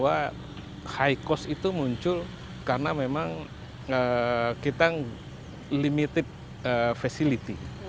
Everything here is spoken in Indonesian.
yang paling penting adalah bahwa high cost itu muncul karena memang kita limited facility